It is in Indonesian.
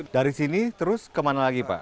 dari sini terus kemana lagi pak